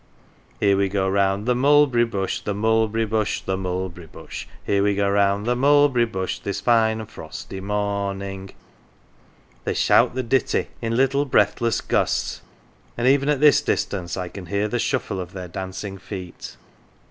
" Here we go round the mulberry bush, The mulberry bush, the mulberry bush, Here we go round the mulberry bush, This Jine frosty morning." THORNLEIGH They shout the ditty in little breathless gusts; and even at this distance I can hear the shuffle of their dancing feet.